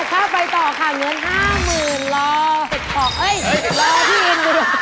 ถ้าไปต่อค่ะเงิน๕๐๐๐๐บาทรอผิดต่อ